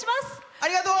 ありがとう！